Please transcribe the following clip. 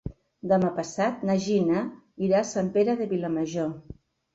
Demà passat na Gina irà a Sant Pere de Vilamajor.